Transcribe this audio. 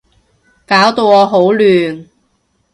搞到我好亂